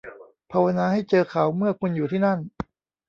ภาวนาให้เจอเขาเมื่อคุณอยู่ที่นั่น